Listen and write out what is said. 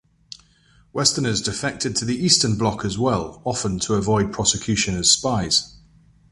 Westerners defected to the Eastern Bloc as well, often to avoid prosecution as spies.